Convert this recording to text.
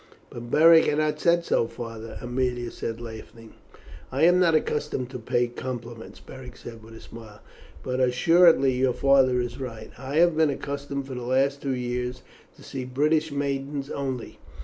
"But Beric has not said so, father," Aemilia said laughing. "I am not accustomed to pay compliments," Beric said with a smile, "but assuredly your father is right. I have been accustomed for the last two years to see British maidens only.